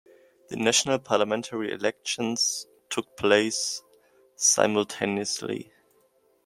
The national parliamentary elections took place simultaneously.